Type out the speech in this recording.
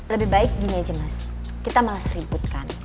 lebih baik gini aja mas kita malas ributkan